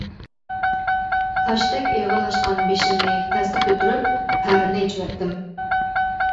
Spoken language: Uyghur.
تاشتەك ئېغىرلاشقان بېشىمنى تەستە كۆتۈرۈپ پەردىنى ئېچىۋەتتىم.